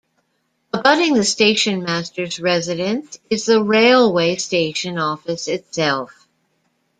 Abutting the station-masters residence is the railway station office itself.